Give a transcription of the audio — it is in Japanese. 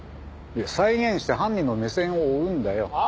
いや再現して犯人の目線を追うんだよ。